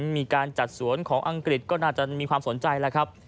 มีการจัดสวนของอังกฤษก็น่าจะมีความสนใจแล้วครับ